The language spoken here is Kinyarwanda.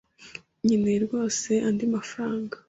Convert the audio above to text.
Nkeneye rwose andi mafaranga.